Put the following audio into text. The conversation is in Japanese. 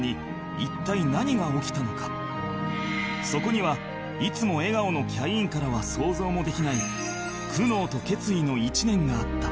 そこにはいつも笑顔のキャインからは想像もできない苦悩と決意の１年があった